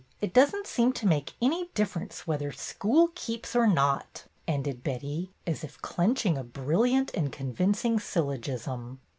It does n't seem to make any differ ence whether school keeps or not!" ended Betty, as if clenching a brilliant and convin cing syllogism. Mrs.